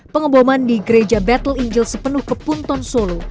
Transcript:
pengeboman di gereja battle angel sepenuh kepunton solo